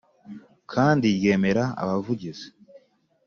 Kandi ryemera abavugizi